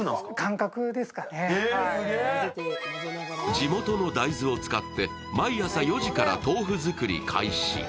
地元の大豆を使って毎朝４時から豆腐作り開始。